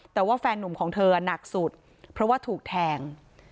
แต่ว่าแฟนนุ่มของเธอหนักสุดเพราะว่าถูกแทง